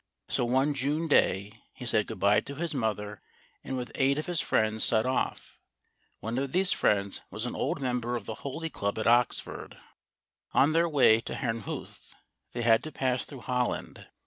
So one June day, he said good bye to his mother, and with eight of his friends set off. One of these friends was an old member of the Holy Club at Oxford. On their way to Herrnhuth, they had to pass through Holland.